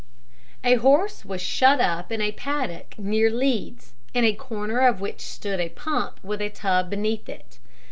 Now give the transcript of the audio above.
A horse was shut up in a paddock near Leeds, in a corner of which stood a pump with a tub beneath it.